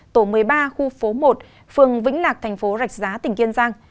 tổ một mươi ba khu phố một phường vĩnh lạc thành phố rạch giá tỉnh kiên giang